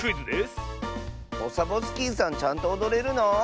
オサボスキーさんちゃんとおどれるの？